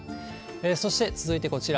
そして続いてこちら。